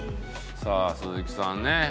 さあ鈴木さんね